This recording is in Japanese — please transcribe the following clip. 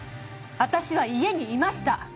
私は家にいました！